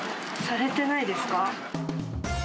されてないですか？